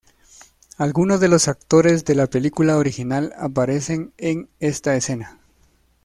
Algunos de los actores de la película original aparecen en esta escena.